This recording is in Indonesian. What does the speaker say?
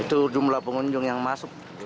itu jumlah pengunjung yang masuk